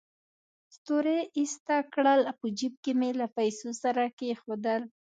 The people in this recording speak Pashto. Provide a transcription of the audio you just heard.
ستوري ایسته کړل، په جېب کې مې له پیسو سره کېښودل.